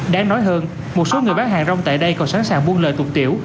đáng nói hơn một số người bán hàng rong tại đây còn sẵn sàng buôn lời tụt tiểu